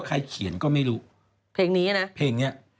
เพลงนี้